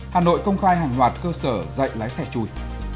hà nội công khai hàng loạt cơ sở dạy lái xe chui